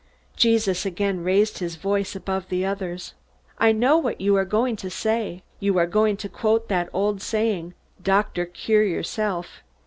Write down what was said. Jesus again raised his voice above the others': "I know what you are going to say. You are going to quote that old saying, 'Doctor, cure yourself.'